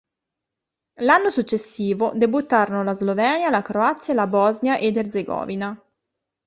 L'anno successivo debuttarono la Slovenia, la Croazia e la Bosnia ed Erzegovina.